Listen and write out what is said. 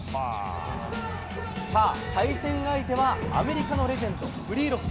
さあ、対戦相手はアメリカのレジェンドフリーロック。